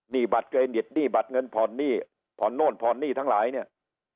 หนี้บัตรเกณฑ์หนี้บัตรเงินพรหนี้พรโน่นพรหนี้ทั้งหลายเนี่ย